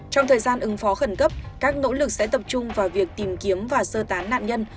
trong thời gian ứng phó khẩn cấp các nỗ lực sẽ tập trung vào việc tìm kiếm và sơ tán nạn nhân